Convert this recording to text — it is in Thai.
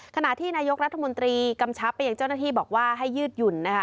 ขณะที่นายกรัฐมนตรีกำชับไปยังเจ้าหน้าที่บอกว่าให้ยืดหยุ่นนะคะ